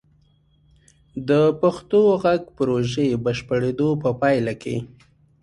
د پښتو غږ پروژې بشپړیدو په پایله کې: